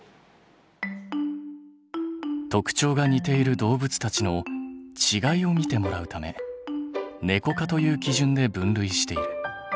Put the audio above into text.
特徴が似ている動物たちの違いを見てもらうためネコ科という基準で分類している。